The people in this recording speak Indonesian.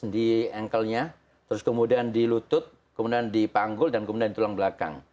di ankle nya terus kemudian di lutut kemudian di panggul dan kemudian di tulang belakang